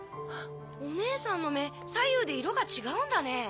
おねえさんの目左右で色が違うんだね。